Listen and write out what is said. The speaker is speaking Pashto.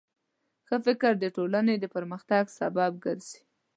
ښه فکر د ټولنې د پرمختګ سبب ګرځي.